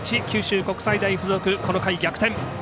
九州国際大付属、この回、逆転。